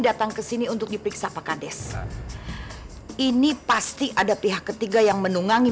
datang ke sini untuk dipiksa pakardes ini pasti ada pihak ketiga yang menunggangi